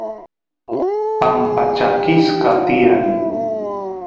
pampa chakisqa tiyan